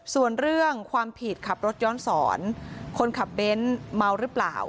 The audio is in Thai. ส่วนเรื่องความผิดขับรถย้อนสอนคนขับเบ้นเมาหรือเปล่า